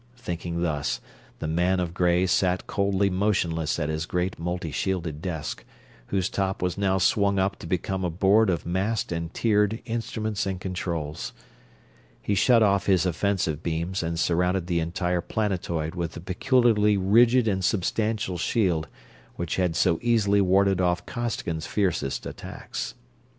Thinking thus, the man of gray sat coldly motionless at his great multi shielded desk, whose top was now swung up to become a board of massed and tiered instruments and controls. He shut off his offensive beams and surrounded the entire planetoid with the peculiarly rigid and substantial shield which had so easily warded off Costigan's fiercest attacks.